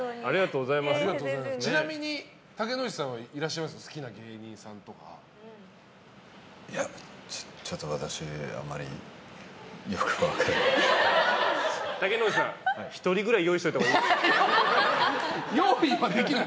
ちなみに竹野内さんは好きな芸人さんとかいやちょっと私あんまりよく分からない。